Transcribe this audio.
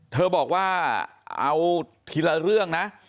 เธอบอกว่าเอาทีละเรื่องนะ